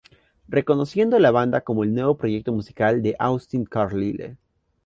Reconociendo la banda como el nuevo proyecto musical de Austin Carlile.